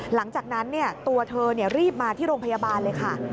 หลังจากนั้นตัวเธอรีบมาที่โรงพยาบาลเลยค่ะ